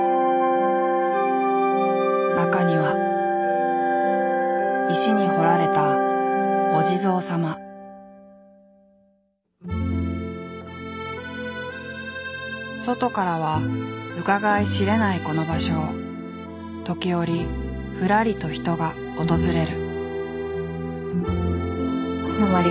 中には石に彫られた外からはうかがい知れないこの場所を時折ふらりと人が訪れる。